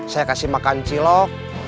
saya kasih makan cilok